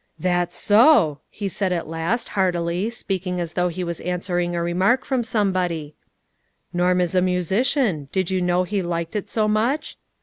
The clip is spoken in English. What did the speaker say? " That's so," he said at last, heartily, speak ing as though he was answering a remark from somebody ;" Norm is a musician. Did you know he liked it so much